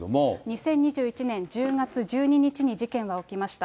２０２１年１０月１２日に事件は起きました。